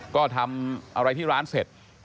ก็ทำอะไรที่ร้านเสร็จ